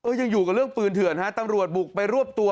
ยังอยู่กับเรื่องปืนเถื่อนฮะตำรวจบุกไปรวบตัว